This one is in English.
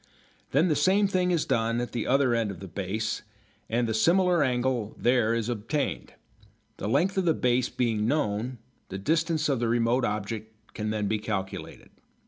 Then the same thing is done at the other end of the "base" and the similar angle there is obtained. The length of the base being known, the distance of the remote object can then be calculated.